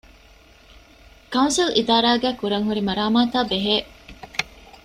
ކައުންސިލް އިދާރާގައި ކުރަންހުރި މަރާމާތާބެހޭ